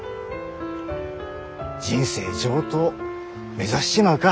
人生上等目指しちまうか。